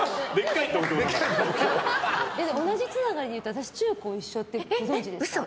同じつながりでいうと私中高一緒ってご存じですか？